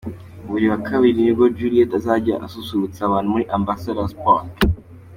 Buri wa Kabiri ni bwo Juliet azajya asusurutsa abantu muri Ambassador's Park.